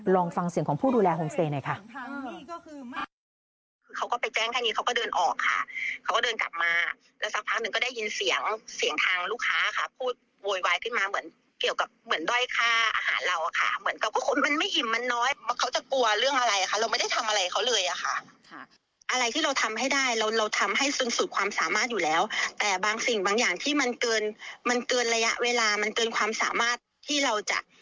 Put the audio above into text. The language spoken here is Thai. ลองฟังเสียงของผู้ดูแลโฮงเซหน่อยค่ะ